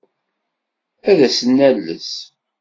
Ad as-nales.